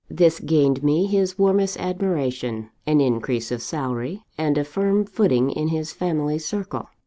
This gained me his warmest admiration, an increase of salary, and a firm footing in his family circle.